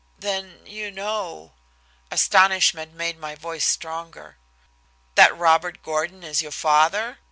"Then you know " Astonishment made my voice stronger. "That Robert Gordon is your father?"